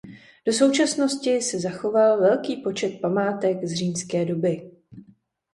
Do současnosti se zachoval velký počet památek z římské doby.